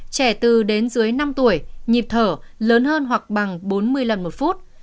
trẻ từ đến dưới năm tuổi nhịp thở lớn hơn hoặc bằng bốn mươi lần một phút